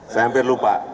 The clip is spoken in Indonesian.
saya hampir lupa